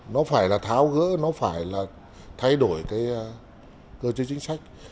nó phải là tháo gỡ nó phải là thay đổi cái cơ chế chính sách